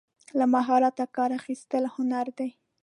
له مهارته کار اخیستل هنر دی.